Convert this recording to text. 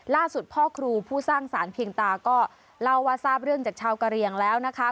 พ่อครูผู้สร้างสารเพียงตาก็เล่าว่าทราบเรื่องจากชาวกะเรียงแล้วนะคะ